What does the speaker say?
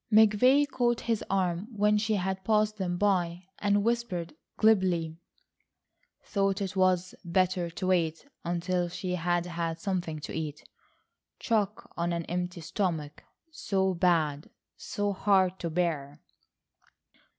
McVay caught his arm when she had passed them by, and whispered glibly: "Thought it was better to wait until she had had something to eat—shock on an empty stomach, so bad—so hard to bear."